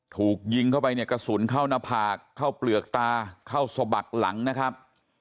ถูกยิงเข้าไปเนี่ยกระสุนเข้าหน้าผากเข้าเปลือกตาเข้าสะบักหลังนะครับ